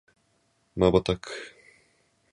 瞬く